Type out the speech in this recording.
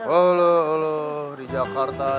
walu walu di jakarta